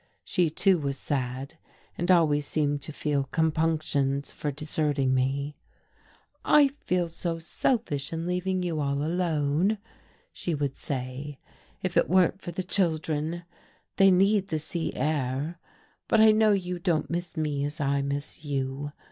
She too was sad, and always seemed to feel compunctions for deserting me. "I feel so selfish in leaving you all alone!" she would say. "If it weren't for the children they need the sea air. But I know you don't miss me as I miss you.